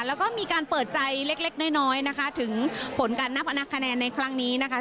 แล้วก็มีการเปิดใจเล็กเล็กน้อยนะคะถึงผลการนับพนักคะแนนในครั้งนี้นะคะ